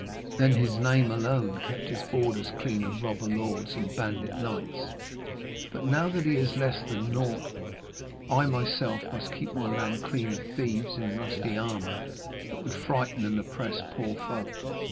Then his name alone kept his borders clean of robber lords and bandit knights; but now that he is less than naught, I myself must keep my land clean of thieves in rusty armour that would frighten and oppress poor folk.'